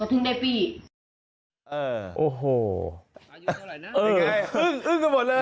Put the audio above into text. อืมอึ้งกันหมดเลย